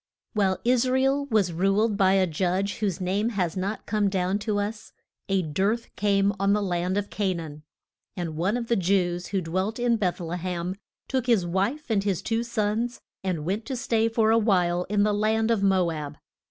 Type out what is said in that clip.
WHILE Is ra el was ruled by a judge whose name has not come down to us, a dearth came on the land of Ca naan. And one of the Jews who dwelt in Beth le hem, took his wife and his two sons and went to stay for a while in the land of Mo ab.